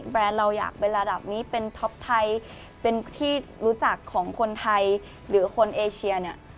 เราอยากเป็นระดับนี้เป็นท็อปไทยเป็นที่รู้จักของคนไทยหรือคนเอเชียเนี่ย